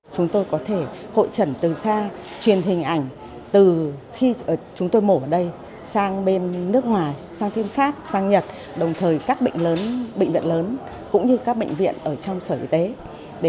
chúng tôi có thể hội trần từ xa truyền hình ảnh từ khi chúng tôi mổ ở đây sang bên nước ngoài sang thiên pháp sang nhật đồng thời các bệnh viện lớn cũng như các bệnh viện ở trong sở hữu